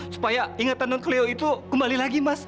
supaya ingatan non kelio itu kembali lagi mas